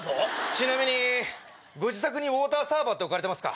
ちなみにご自宅にウオーターサーバーって置かれてますか？